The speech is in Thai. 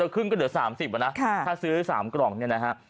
ค่ะถ้าซื้อ๓กล่องนี่นะคะ